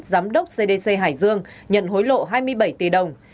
giám đốc cdc hải dương nhận hối lộ hai mươi bảy tỷ đồng